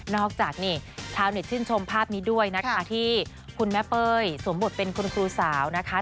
อกจากนี่ชาวเน็ตชื่นชมภาพนี้ด้วยนะคะที่คุณแม่เป้ยสวมบทเป็นคุณครูสาวนะคะ